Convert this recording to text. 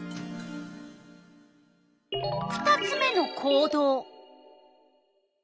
２つ目の行動。